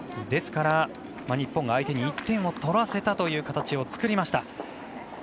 ですから日本が相手に１点を取らせたという形を作りました。